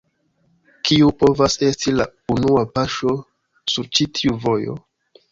Kiu povas esti la unua paŝo sur ĉi tiu vojo?